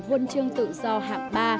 huân chương tự do hạng ba